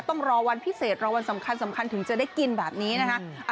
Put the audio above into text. ต้องรอวันพิเศษรอวันสำคัญถึงจะได้กินแบบนี้นะคะ